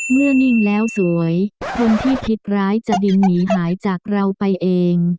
นิ่งแล้วสวยคนที่ผิดร้ายจะดึงหนีหายจากเราไปเอง